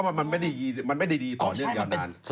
เพราะมันไม่ได้ดีต่อเนื่องนาน